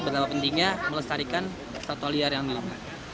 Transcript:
berapa pentingnya melestarikan satwa liar yang milang